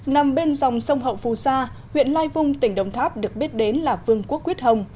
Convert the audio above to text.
nằm bên dòng sông hậu phù sa huyện lai vung tỉnh đồng tháp được biết đến là vương quốc quyết hồng